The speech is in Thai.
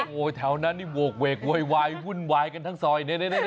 โอ้โหแถวนั้นนี่โหกเวกโวยวายวุ่นวายกันทั้งซอยเนี่ย